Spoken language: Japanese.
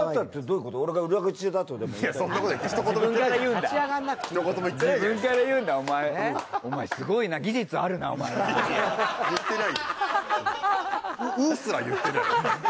「う」すら言ってない。